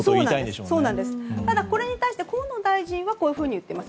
ただこれに対して河野大臣はこういうふうに言っています。